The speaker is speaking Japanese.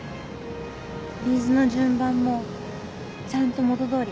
ビーズの順番もちゃんと元どおり。